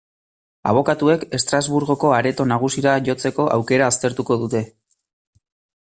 Abokatuek Estrasburgoko Areto Nagusira jotzeko aukera aztertuko dute.